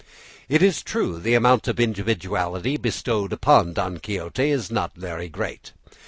It is true the amount of individuality bestowed upon Don Quixote is not very great.